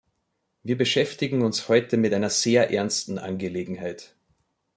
Wir beschäftigen uns heute mit einer sehr ernsten Angelegenheit.